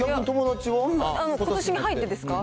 ことしに入ってですか？